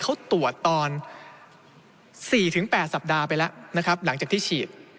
เขาตรวจตอน๔๘สัปดาห์ไปแล้วนะครับหลังจากที่ฉีด